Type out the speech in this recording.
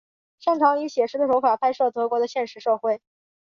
擅长以写实的手法拍摄德国的现实社会。